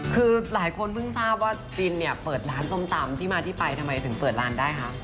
คือหลายคนเพิ่งทราบว่าฟินเนี่ยเปิดร้านส้มตำที่มาที่ไปทำไมถึงเปิดร้านได้คะ